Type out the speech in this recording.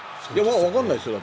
わからないですよね。